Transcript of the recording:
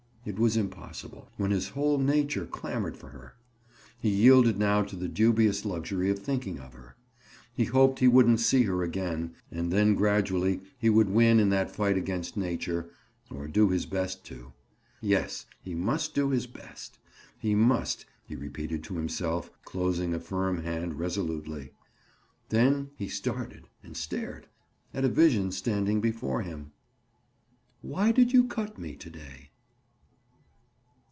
It was impossible, when his whole nature clamored for her. He yielded now to the dubious luxury of thinking of her. He hoped he wouldn't see her again and then gradually he would win in that fight against nature—or do his best to. Yes; he must do his best; he must, he repeated to himself, closing a firm hand resolutely. Then he started and stared—at a vision standing before him. "Why did you cut me to day?"